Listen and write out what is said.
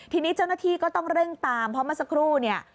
ทีนี้เจ้าหน้าที่ก็ต้องเร่งตามเพราะเมื่อสักครู่เนี่ย